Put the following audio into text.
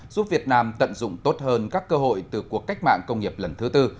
giúp việt nam tận dụng tốt hơn các cơ hội từ cuộc cách mạng công nghiệp lần thứ tư